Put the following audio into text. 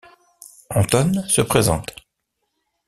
Anton se présente.